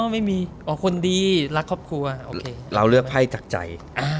ไม่มีอ๋อคนดีรักครอบครัวโอเคเราเลือกไพ่จากใจ